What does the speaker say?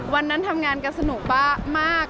วันนั้นทำงานกันสนุกมาก